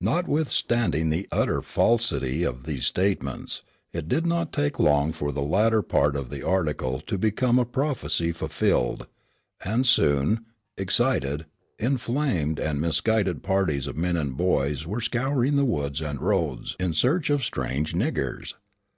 Notwithstanding the utter falsity of these statements, it did not take long for the latter part of the article to become a prophecy fulfilled, and soon, excited, inflamed and misguided parties of men and boys were scouring the woods and roads in search of strange "niggers."